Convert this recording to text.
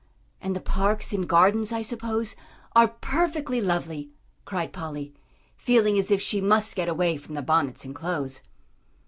"And the parks and gardens, I suppose, are perfectly lovely," cried Polly, feeling as if she must get away from the bonnets and clothes.